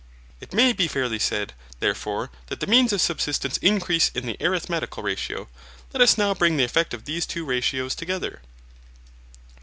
It may be fairly said, therefore, that the means of subsistence increase in an arithmetical ratio. Let us now bring the effects of these two ratios together.